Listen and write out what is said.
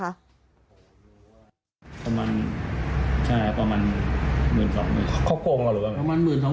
ประมาณ๑๒๐๐๐เขาโปร่งเราหรือเปล่า